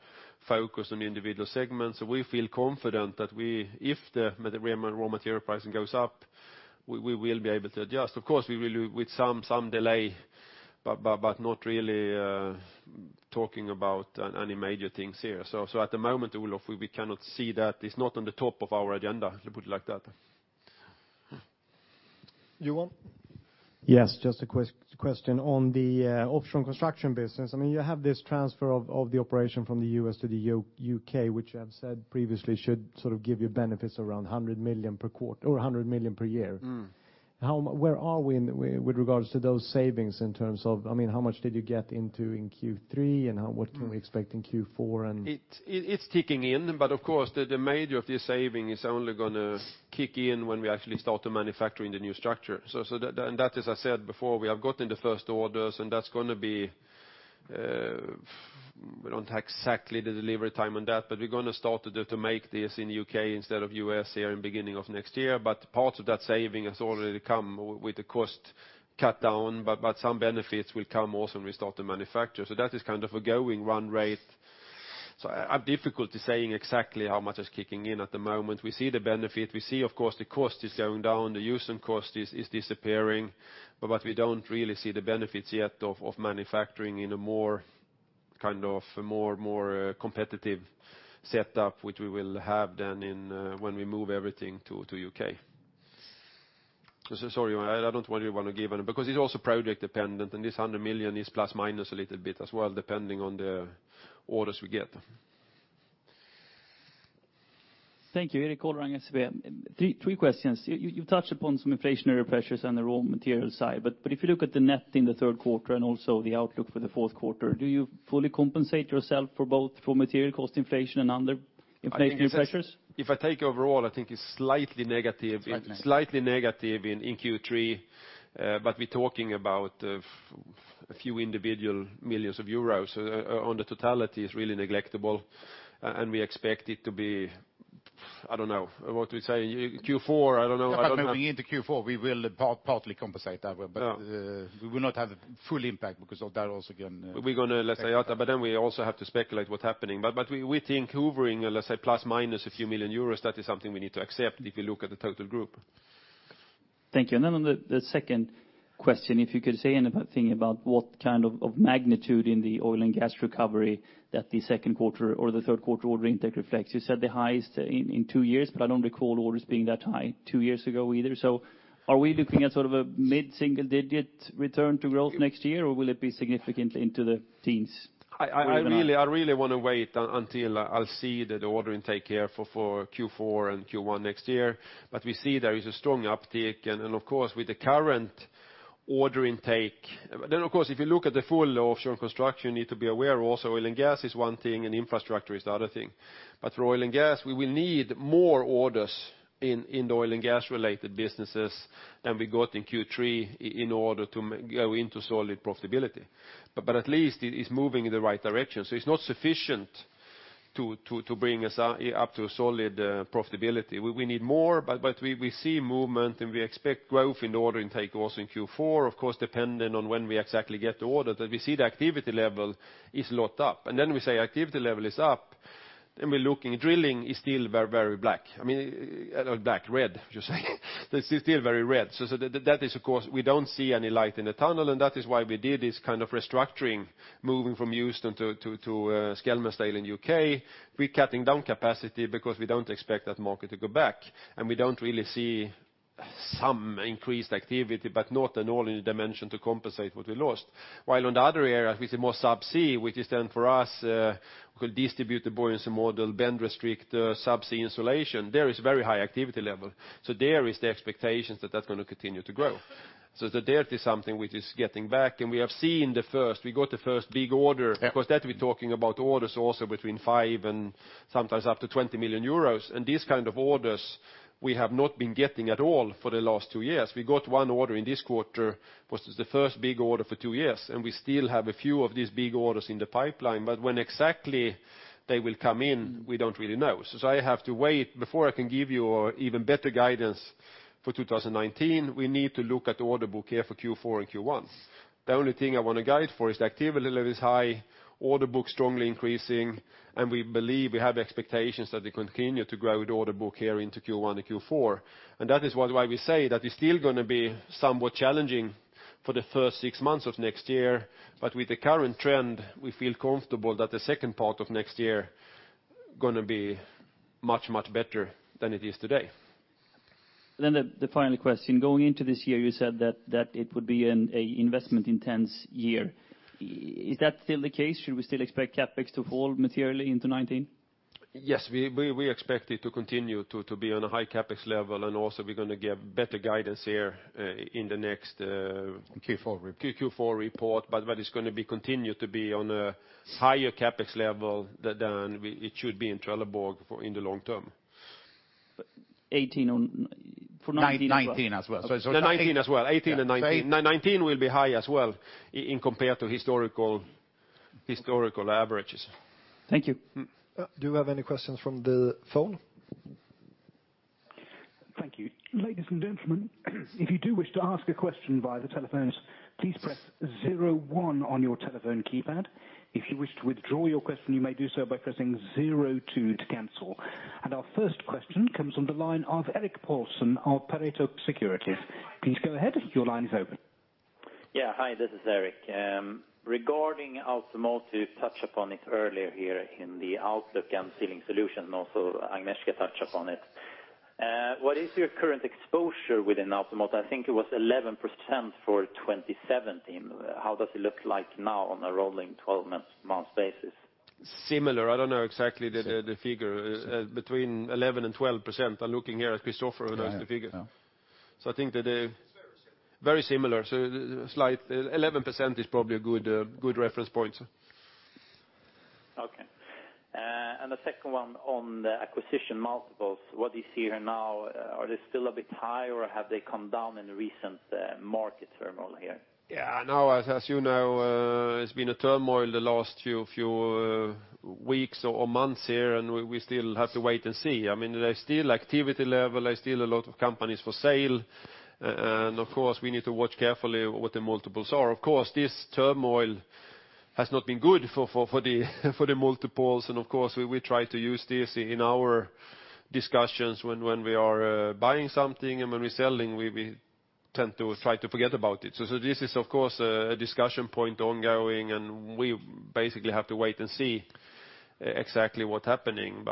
[SPEAKER 1] focused on individual segments. We feel confident that if the raw material pricing goes up, we will be able to adjust. Of course, with some delay, not really talking about any major things here. At the moment, Olof, we cannot see that. It's not on the top of our agenda, to put it like that. Johan?
[SPEAKER 5] Yes, just a question. On the offshore and construction business, you have this transfer of the operation from the U.S. to the U.K., which you have said previously should sort of give you benefits around 100 million per year. Where are we with regards to those savings in terms of, how much did you get into in Q3, and what can we expect in Q4?
[SPEAKER 1] Of course, the major of the saving is only going to kick in when we actually start to manufacture in the new structure. That is, I said before, we have gotten the first orders, and that's going to be, we don't have exactly the delivery time on that, but we're going to start to make this in the U.K. instead of U.S. here in beginning of next year. Part of that saving has already come with the cost cut down, but some benefits will come also when we start to manufacture. That is kind of a going run rate. I have difficulty saying exactly how much is kicking in at the moment. We see the benefit. We see, of course, the cost is going down. The Houston cost is disappearing. We don't really see the benefits yet of manufacturing in a more competitive setup, which we will have then when we move everything to U.K. Sorry, Johan, I don't really want to give any, because it's also project dependent, and this 100 million is plus/minus a little bit as well, depending on the orders we get.
[SPEAKER 7] Thank you. Erik Golrang, SEB. Three questions. If you look at the net in the third quarter and also the outlook for the fourth quarter, do you fully compensate yourself for both material cost inflation and other inflationary pressures?
[SPEAKER 1] If I take overall, I think it's slightly negative.
[SPEAKER 7] Slightly negative.
[SPEAKER 1] slightly negative in Q3. We're talking about a few individual millions euros. On the totality it's really negligible, and we expect it to be, I don't know. What we say, Q4, I don't know.
[SPEAKER 7] Moving into Q4, we will partly compensate that way.
[SPEAKER 1] Yeah.
[SPEAKER 7] We will not have the full impact because of that also again.
[SPEAKER 1] We also have to speculate what's happening. We think hovering, let's say, plus/minus a few million EUR, that is something we need to accept if you look at the total group.
[SPEAKER 7] Thank you. On the second question, if you could say anything about what kind of magnitude in the oil and gas recovery that the second quarter or the third quarter order intake reflects. You said the highest in two years, I don't recall orders being that high two years ago either. Are we looking at a mid-single-digit return to growth next year, or will it be significant into the teens?
[SPEAKER 1] I really want to wait until I'll see the order intake here for Q4 and Q1 next year. We see there is a strong uptick, and of course, with the current order intake. Of course, if you look at the full Offshore & Construction, you need to be aware also oil and gas is one thing, and infrastructure is the other thing. For oil and gas, we will need more orders in the oil and gas related businesses than we got in Q3 in order to go into solid profitability. At least it is moving in the right direction. It's not sufficient to bring us up to solid profitability. We need more, but we see movement, and we expect growth in order intake also in Q4, of course, dependent on when we exactly get the order. We see the activity level is a lot up. We say activity level is up, then we're looking, drilling is still very black. Not black, red, just saying. It's still very red. We don't see any light in the tunnel. That is why we did this kind of restructuring, moving from Houston to Skelmersdale in U.K. We're cutting down capacity because we don't expect that market to go back. We don't really see some increased activity, but not at all in the dimension to compensate what we lost. While on the other areas, we see more subsea, which is then for us, we call Distributed Buoyancy Module, bend restrictor subsea insulation. There is very high activity level. There is the expectations that that's going to continue to grow. There is something which is getting back, and we have seen the first. We got the first big order.
[SPEAKER 7] Yeah.
[SPEAKER 1] Of course, we're talking about orders also between 5 and sometimes up to 20 million euros. These kind of orders we have not been getting at all for the last two years. We got one order in this quarter, which was the first big order for two years. We still have a few of these big orders in the pipeline. When exactly they will come in, we don't really know. I have to wait. Before I can give you even better guidance for 2019, we need to look at the order book here for Q4 and Q1. The only thing I want to guide for is the activity level is high, order book strongly increasing. We believe we have expectations that they continue to grow the order book here into Q1 and Q4. That is why we say that it's still going to be somewhat challenging for the first six months of next year. With the current trend, we feel comfortable that the second part of next year going to be much, much better than it is today.
[SPEAKER 7] The final question. Going into this year, you said that it would be an investment intense year. Is that still the case? Should we still expect CapEx to fall materially into 2019?
[SPEAKER 1] Yes, we expect it to continue to be on a high CapEx level, we're going to give better guidance here in the next-
[SPEAKER 7] Q4 report.
[SPEAKER 1] Q4 report. It's going to be continued to be on a higher CapEx level than it should be in Trelleborg in the long term.
[SPEAKER 7] 2018 on. For 2019 as well. 2019 as well. 2019 as well. 2018 and 2019. 2019 will be high as well in compared to historical averages. Thank you.
[SPEAKER 3] Do we have any questions from the phone?
[SPEAKER 8] Thank you. Ladies and gentlemen, if you do wish to ask a question via the telephones, please press 01 on your telephone keypad. If you wish to withdraw your question, you may do so by pressing 02 to cancel. Our first question comes on the line of Erik Paulsson of Pareto Securities. Please go ahead. Your line is open.
[SPEAKER 9] Yeah. Hi, this is Erik. Regarding also automotive, touched upon it earlier here in the outlook and sealing solutions, and also Agnieszka touched upon it. What is your current exposure within automotive? I think it was 11% for 2017. How does it look like now on a rolling 12-month basis?
[SPEAKER 1] Similar. I don't know exactly the figure. Between 11% and 12%. I'm looking here at Christofer, who knows the figure.
[SPEAKER 10] Yeah.
[SPEAKER 1] I think that it's very similar very similar. 11% is probably a good reference point.
[SPEAKER 9] Okay. The second one on the acquisition multiples. What do you see here now? Are they still a bit high, or have they come down in the recent market turmoil here?
[SPEAKER 1] Yeah. As you know, it's been a turmoil the last few weeks or months here, we still have to wait and see. There's still activity level. There's still a lot of companies for sale, of course, we need to watch carefully what the multiples are. Of course, this turmoil has not been good for the multiples, of course, we try to use this in our discussions when we are buying something, when we're selling, we tend to try to forget about it. This is, of course, a discussion point ongoing, we basically have to wait and see exactly what's happening.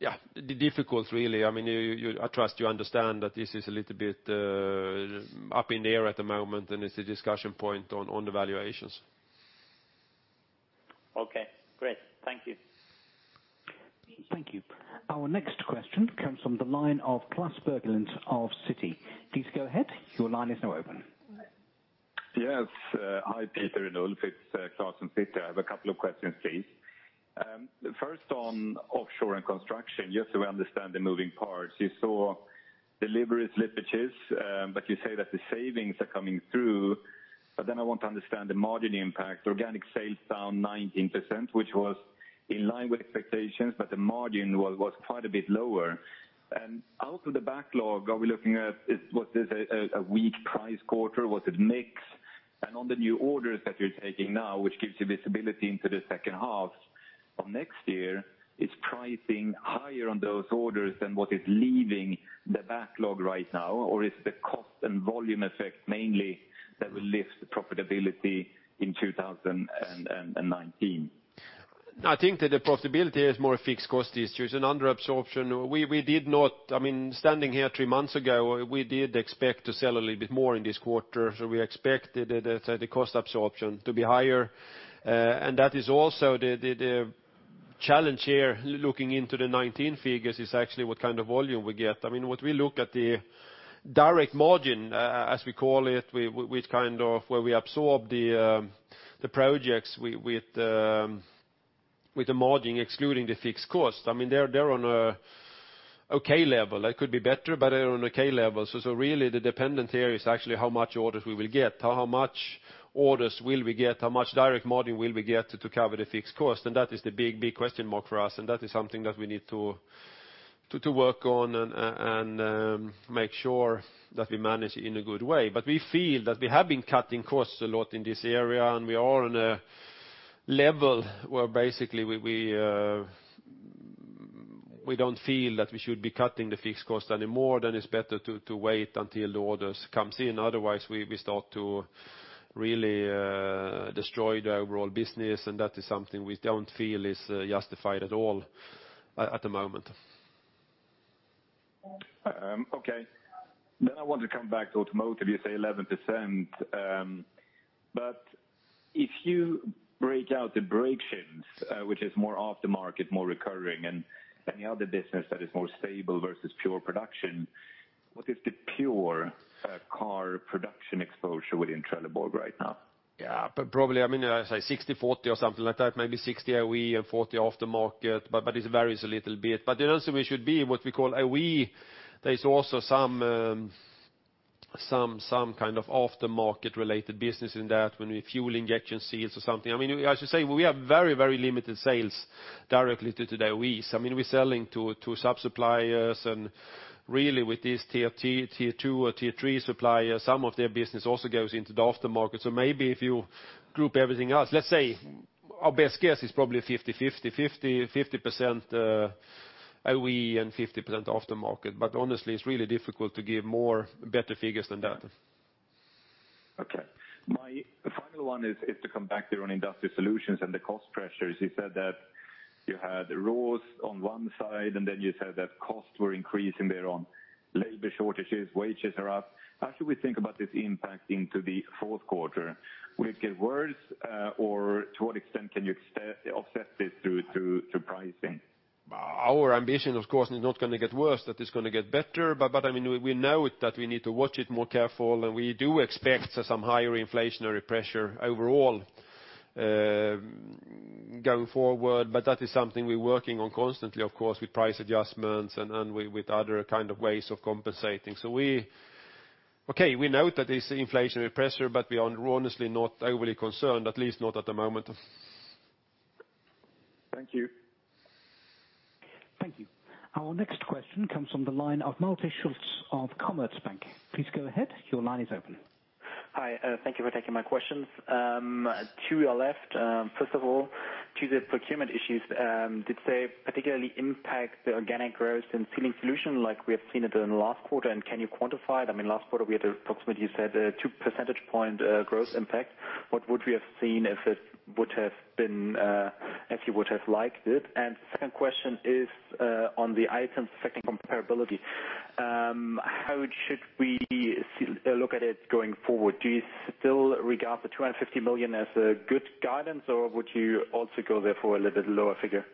[SPEAKER 1] Yeah. Difficult, really. I trust you understand that this is a little bit up in the air at the moment, it's a discussion point on the valuations.
[SPEAKER 9] Okay, great. Thank you.
[SPEAKER 8] Thank you. Our next question comes from the line of Klas Bergelind of Citi. Please go ahead. Your line is now open.
[SPEAKER 11] Yes. Hi, Peter and Ulf. It's Klas from Citi. I have a couple of questions, please. First, on Trelleborg Offshore & Construction, just so we understand the moving parts, you saw deliveries slippages, but you say that the savings are coming through. I want to understand the margin impact. Organic sales down 19%, which was in line with expectations, the margin was quite a bit lower. Out of the backlog, are we looking at, was this a weak price quarter? Was it mix? On the new orders that you're taking now, which gives you visibility into the second half of next year, is pricing higher on those orders than what is leaving the backlog right now, or is the cost and volume effect mainly that will lift the profitability in 2019?
[SPEAKER 1] I think that the profitability is more fixed cost issues and under absorption. Standing here three months ago, we did expect to sell a little bit more in this quarter, we expected the cost absorption to be higher. That is also the challenge here, looking into the 2019 figures, is actually what kind of volume we get. When we look at the direct margin, as we call it, where we absorb the projects with the margin excluding the fixed cost, they're on an okay level. It could be better, they're on an okay level. Really the dependent here is actually how much orders we will get. How much orders will we get? How much direct margin will we get to cover the fixed cost? That is the big question mark for us, that is something that we need to work on and make sure that we manage in a good way. We feel that we have been cutting costs a lot in this area, we are on a level where basically we don't feel that we should be cutting the fixed cost anymore. It's better to wait until the orders come in. Otherwise, we start to really destroy the overall business, that is something we don't feel is justified at all at the moment.
[SPEAKER 11] Okay. I want to come back to automotive. You say 11%. If you break out the brake systems, which is more off the market, more recurring, and then the other business that is more stable versus pure production, what is the pure car production exposure within Trelleborg right now?
[SPEAKER 1] Yeah. Probably, I say 60/40 or something like that. Maybe 60 OE and 40 off the market, but it varies a little bit. Also we should be what we call OE. There's also some kind of off-the-market related business in that, when fuel injection seals or something. I should say, we have very limited sales directly to the OEs. We're selling to sub-suppliers, and really with these tier 2 or tier 3 suppliers, some of their business also goes into the aftermarket. Maybe if you group everything else, let's say our best guess is probably 50/50. 50% OE and 50% off the market. Honestly, it's really difficult to give more better figures than that.
[SPEAKER 11] Okay. My final one is to come back there on Trelleborg Industrial Solutions and the cost pressures. You said that you had raws on one side, and then you said that costs were increasing there on labor shortages, wages are up. How should we think about this impacting to the fourth quarter? Will it get worse, or to what extent can you offset this through to pricing?
[SPEAKER 1] Our ambition, of course, is not going to get worse, that it's going to get better. We know it that we need to watch it more careful, and we do expect some higher inflationary pressure overall going forward. That is something we're working on constantly, of course, with price adjustments and with other kind of ways of compensating. Okay, we note that it's inflationary pressure, but we are honestly not overly concerned, at least not at the moment.
[SPEAKER 11] Thank you.
[SPEAKER 8] Thank you. Our next question comes from the line of Malte Schulz of Commerzbank. Please go ahead. Your line is open.
[SPEAKER 12] Hi. Thank you for taking my questions. To your left, first of all, to the procurement issues, did they particularly impact the organic growth in Sealing Solutions like we have seen it in the last quarter, and can you quantify? Last quarter, we had approximately, you said, 2 percentage point growth impact. What would we have seen if it would have been as you would have liked it? Second question is on the items affecting comparability. How should we look at it going forward? Do you still regard the 250 million as a good guidance, or would you also go there for a little bit lower figure?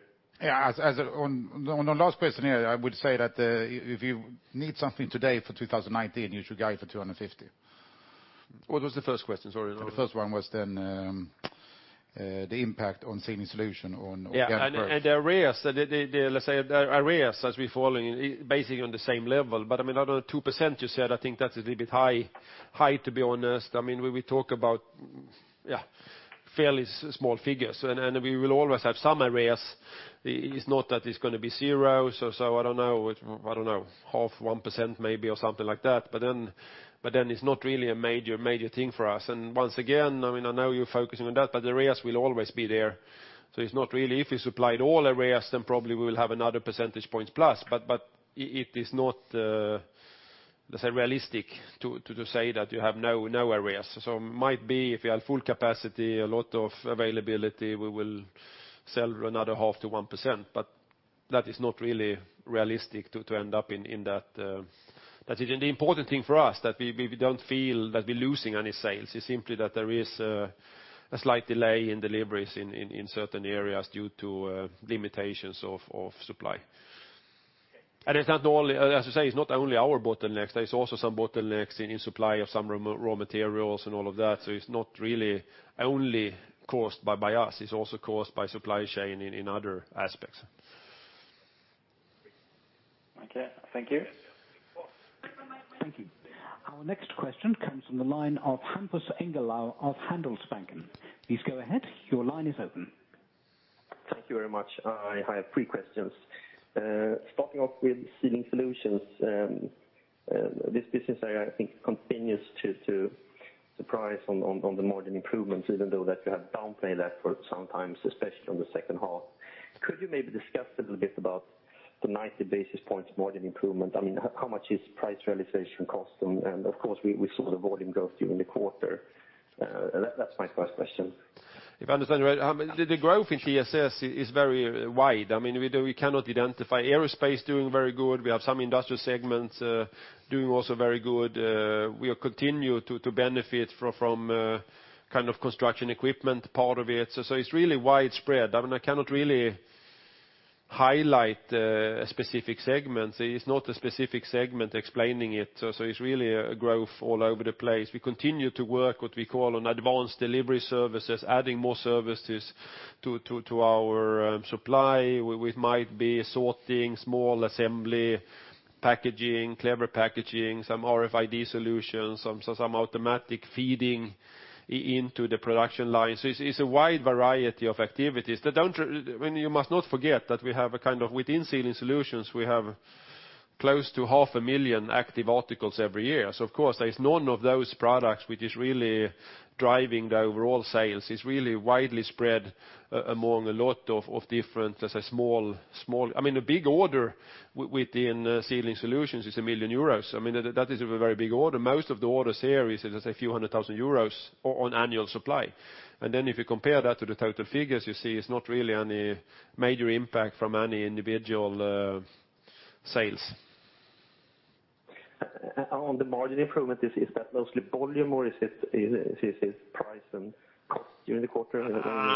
[SPEAKER 1] On the last question here, I would say that if you need something today for 2019, you should guide for 250 million. What was the first question? Sorry. The first one was the impact on Sealing Solutions on organic growth. Yeah. The arrears. Let's say the arrears as we fall in, basically on the same level. The other 2% you said, I think that's a little bit high to be honest. We talk about fairly small figures, and we will always have some arrears. It's not that it's going to be zero, so I don't know. 0.5% maybe or something like that. It's not really a major thing for us. Once again, I know you're focusing on that, but arrears will always be there. It's not really if we supplied all arrears, then probably we will have another percentage point plus. It is not realistic to say that you have no areas. Might be if you have full capacity, a lot of availability, we will sell another 0.5% to 1%, but that is not really realistic to end up in that. The important thing for us that we don't feel that we're losing any sales, it's simply that there is a slight delay in deliveries in certain areas due to limitations of supply. As I say, it's not only our bottlenecks, there's also some bottlenecks in supply of some raw materials and all of that. It's not really only caused by us, it's also caused by supply chain in other aspects.
[SPEAKER 12] Okay, thank you.
[SPEAKER 8] Thank you. Our next question comes from the line of Hampus Engellau of Handelsbanken. Please go ahead. Your line is open.
[SPEAKER 13] Thank you very much. I have three questions. Starting off with Trelleborg Sealing Solutions. This business area, I think, continues to surprise on the margin improvements even though that you have downplayed that for some time, especially on the second half. Could you maybe discuss a little bit about the 90 basis points margin improvement? I mean, how much is price realization cost? Of course, we saw the volume growth during the quarter. That's my first question.
[SPEAKER 1] If I understand right, the growth in TSS is very wide. We cannot identify aerospace doing very good. We have some industrial segments doing also very good. We continue to benefit from construction equipment part of it. It's really widespread. I cannot really highlight a specific segment. It's not a specific segment explaining it. It's really a growth all over the place. We continue to work what we call an Advanced Delivery services, adding more services to our supply. We might be sorting small assembly, packaging, clever packaging, some RFID solutions, some automatic feeding into the production line. It's a wide variety of activities. You must not forget that within Trelleborg Sealing Solutions, we have close to half a million active articles every year. Of course, there's none of those products which is really driving the overall sales. It's really widely spread among a lot of different, let's say, A big order within Sealing Solutions is 1 million euros. That is a very big order. Most of the orders here is a few hundred thousand EUR on annual supply. Then if you compare that to the total figures, you see it's not really any major impact from any individual sales.
[SPEAKER 13] On the margin improvement, is that mostly volume or is it price and cost during the quarter?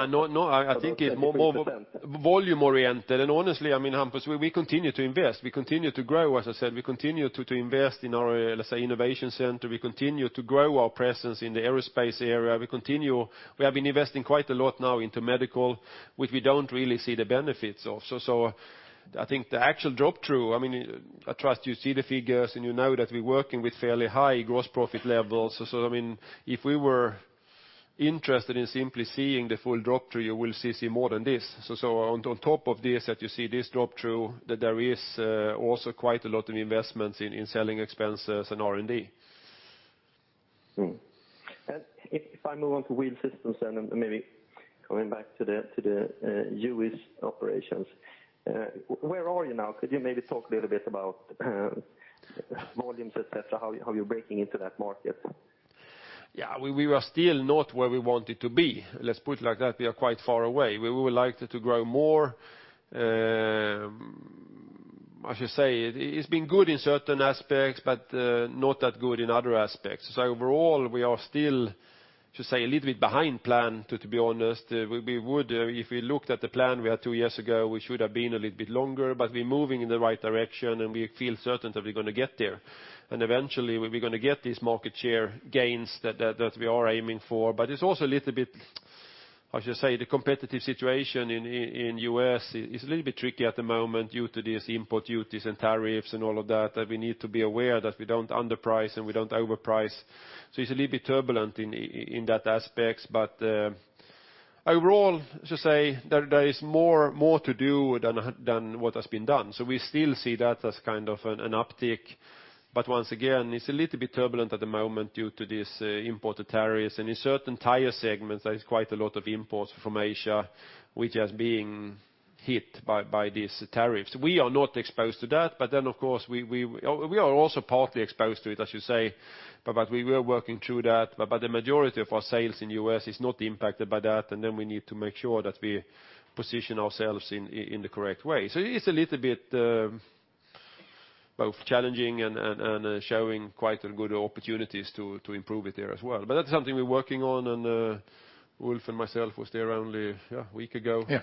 [SPEAKER 1] No. I think it more volume-oriented. Honestly, Hampus, we continue to invest. We continue to grow, as I said, we continue to invest in our, let's say, innovation center. We continue to grow our presence in the aerospace area. We have been investing quite a lot now into medical, which we don't really see the benefits of. I think the actual drop-through, I trust you see the figures and you know that we're working with fairly high gross profit levels. If we were interested in simply seeing the full drop-through, you will see more than this. On top of this, that you see this drop-through, that there is also quite a lot of investments in selling expenses and R&D.
[SPEAKER 13] If I move on to Wheel Systems then and maybe coming back to the U.S. operations, where are you now? Could you maybe talk a little bit about volumes, et cetera, how you're breaking into that market?
[SPEAKER 1] Yeah, we are still not where we wanted to be, let's put it like that. We are quite far away. We would like to grow more. I should say it's been good in certain aspects, but not that good in other aspects. Overall, we are still, should say, a little bit behind plan, to be honest. If we looked at the plan we had two years ago, we should have been a little bit longer, but we're moving in the right direction and we feel certain that we're going to get there. Eventually, we're going to get these market share gains that we are aiming for. It's also a little bit, I should say, the competitive situation in U.S. is a little bit tricky at the moment due to these import duties and tariffs and all of that we need to be aware that we don't underprice and we don't overprice. It's a little bit turbulent in that aspect. Overall, I should say there is more to do than what has been done. We still see that as kind of an uptick. Once again, it's a little bit turbulent at the moment due to these imported tariffs. In certain tire segments, there is quite a lot of imports from Asia, which has been hit by these tariffs. We are not exposed to that, but then, of course, we are also partly exposed to it, I should say, but we are working through that. The majority of our sales in U.S. is not impacted by that, and then we need to make sure that we position ourselves in the correct way. It is a little bit both challenging and showing quite good opportunities to improve it there as well. That's something we're working on, and Ulf and myself was there only a week ago.
[SPEAKER 10] Yeah.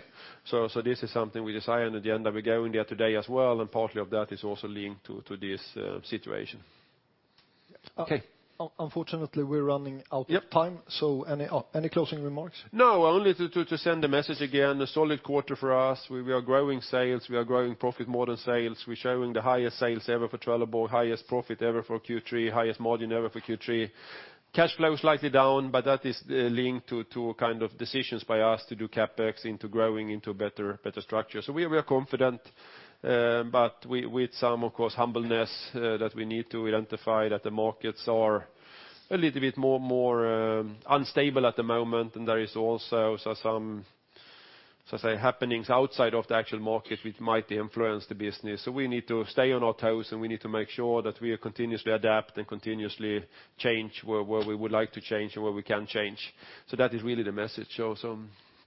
[SPEAKER 1] This is something we decided at the end that we're going there today as well, and partly of that is also linked to this situation.
[SPEAKER 10] Okay. Unfortunately, we're running out of time. Any closing remarks?
[SPEAKER 1] No, only to send the message again, a solid quarter for us. We are growing sales. We are growing profit more than sales. We're showing the highest sales ever for Trelleborg, highest profit ever for Q3, highest margin ever for Q3. Cash flow slightly down, but that is linked to decisions by us to do CapEx into growing into a better structure. We are confident, but with some, of course, humbleness that we need to identify that the markets are a little bit more unstable at the moment, and there is also some, let's say, happenings outside of the actual market which might influence the business. We need to stay on our toes, and we need to make sure that we continuously adapt and continuously change where we would like to change and where we can change. That is really the message.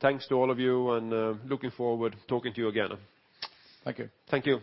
[SPEAKER 1] Thanks to all of you, and looking forward talking to you again.
[SPEAKER 10] Thank you.
[SPEAKER 1] Thank you.